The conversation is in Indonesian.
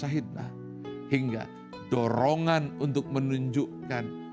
hingga dorongan untuk menunjukkan